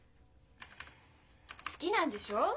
好きなんでしょ？